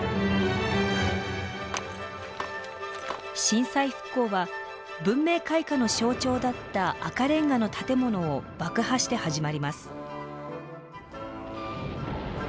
震災復興は文明開化の象徴だった赤レンガの建物を爆破して始まります。